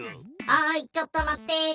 はいちょっと待って。